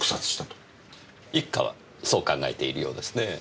一課はそう考えているようですねぇ。